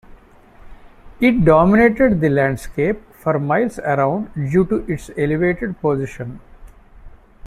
It dominated the landscape for miles around due to its elevated position.